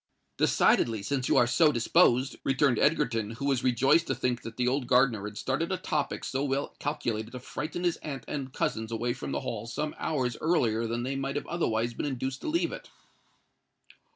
"Decidedly—since you are so disposed," returned Egerton, who was rejoiced to think that the old gardener had started a topic so well calculated to frighten his aunt and cousins away from the Hall some hours earlier than they might have otherwise been induced to leave it.